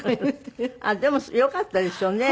でもよかったですよね。